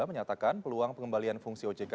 menyatakan peluang pengembalian fungsi ojk